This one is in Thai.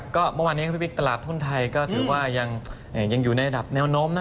ก็ประมาณนี้ครับพี่พลิกตลาดทุนไทยก็ถือว่ายังอยู่ในระดับแนวนมนะ